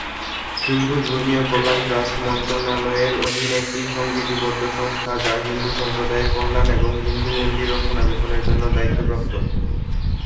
হিন্দু ধর্মীয় কল্যাণ ট্রাস্ট মন্ত্রণালয়ের অধীন একটি সংবিধিবদ্ধ সংস্থা যা হিন্দু সম্প্রদায়ের কল্যাণ এবং হিন্দু মন্দির রক্ষণাবেক্ষণের জন্য দায়িত্বপ্রাপ্ত।